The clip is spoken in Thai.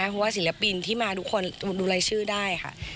เพราะว่าศิลปินที่มาทุกคนดูรายชื่อได้ค่ะ